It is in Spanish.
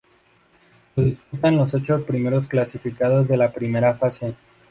Lo disputan los ocho primeros clasificados de la primera fase.